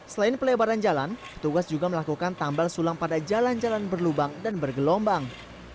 selain pelebaran jalan petugas juga melakukan tambal sulang pada jalan jalan berlubang dan bergelombang